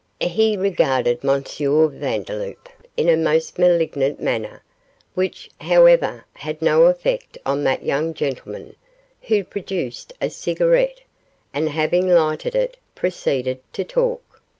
He regarded M. Vandeloup in a most malignant manner, which, however, had no effect on that young gentleman, who produced a cigarette, and having lighted it proceeded to talk.